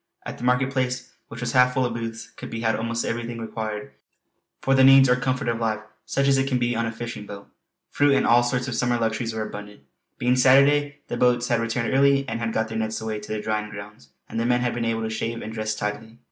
At the market place which was half full of booths, could be had almost everything required for the needs or comfort of life such as it can be on a fishing boat. Fruit and all sorts of summer luxuries were abundant. Being Saturday the boats had returned early and had got their nets away to the drying grounds, and the men had been able to shave and dress tidily.